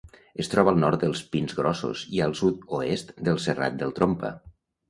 Es troba al nord dels Pins Grossos i al sud-oest del Serrat del Trompa.